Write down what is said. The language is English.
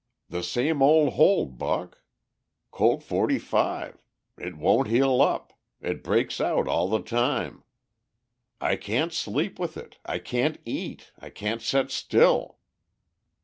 "The same ol' hole, Buck; Colt forty five. It won't heal up, it breaks out all the time. I can't sleep with it, I can't eat, I can't set still."